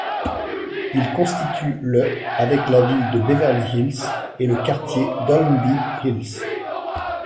Il constitue le avec la ville de Beverly Hills et le quartier d'Holmby Hills.